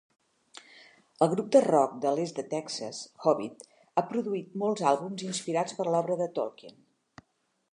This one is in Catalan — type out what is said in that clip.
El grup de rock de l'est de Texas Hobbit ha produït molts àlbums inspirats per l'obra de Tolkien.